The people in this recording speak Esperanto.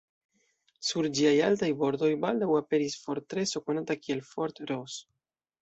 Sur ĝiaj altaj bordoj baldaŭ aperis fortreso konata kiel Fort Ross.